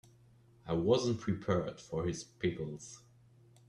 I wasn't prepared for his pickles.